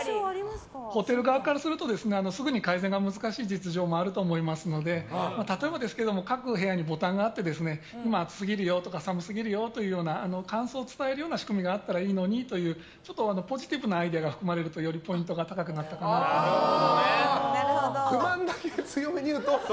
ホテル側からするとすぐに改善が難しい実情もあると思いますので例えばですが各部屋にボタンがあって今、暑すぎるよとか寒すぎるよという感想を伝える仕組みがあったらいいのにというポジティブなアイデアが含まれると、よりポイントが高くなったかなと思います。